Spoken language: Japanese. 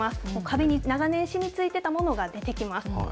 壁に長年しみついてたものが出てきます。